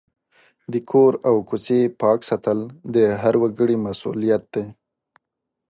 د کور او کوڅې پاک ساتل د هر وګړي مسؤلیت دی.